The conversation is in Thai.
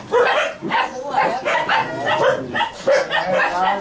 ตอนนั้นเขาทำงาน